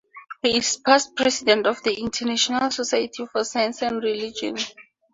He is a past President of the International Society for Science and Religion.